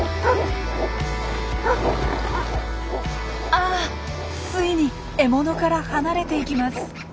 ああついに獲物から離れていきます。